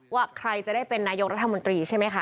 ว่าใครจะได้เป็นนายกรัฐมนตรีใช่ไหมคะ